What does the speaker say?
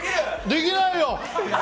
できないよ！